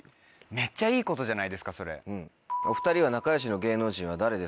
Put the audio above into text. めっちゃいいことじゃないですかそれ。